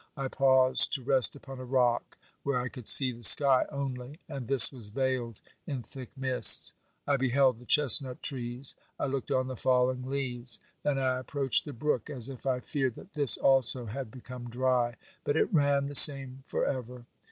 I paused to rest upon a rock where I could see the sky only, and this was veiled in thick mists. I beheld the chestnut trees ; I looked on the falling leaves. Then I approached the brook, as if I feared that this also had become dry, but it ran the same for ever.